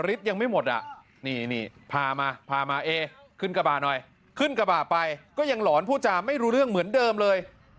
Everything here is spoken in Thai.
ยังไม่หมดอ่ะนี่พามาพามาเอขึ้นกระบะหน่อยขึ้นกระบะไปก็ยังหลอนผู้จาไม่รู้เรื่องเหมือนเดิมเลย